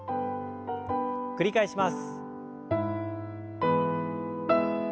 繰り返します。